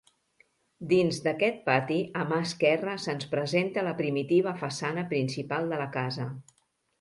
Dins d'aquest pati, a mà esquerra se'ns presenta la primitiva façana principal de la casa.